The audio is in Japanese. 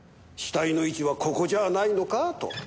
死体の位置はここじゃあないのか？と。